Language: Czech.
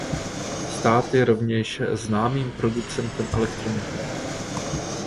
Stát je rovněž známým producentem elektroniky.